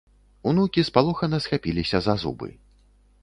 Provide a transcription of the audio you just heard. Унукі спалохана схапіліся за зубы.